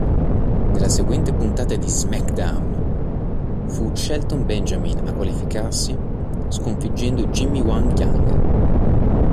Nella seguente puntata di "SmackDown" fu Shelton Benjamin a qualificarsi, sconfiggendo Jimmy Wang Yang.